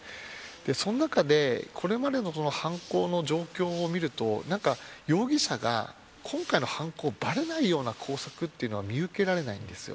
その中でこれまでの犯行の状況を見ると容疑者が、今回の犯行がばれないような工作というのは見受けられないんですよ。